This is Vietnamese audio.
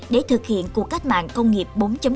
để thực hiện cuộc cách mạng công nghiệp bốn